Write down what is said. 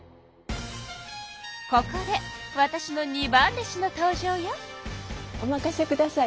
ここでわたしの二番弟子の登場よ。